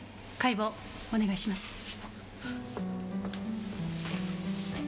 解剖お願いします。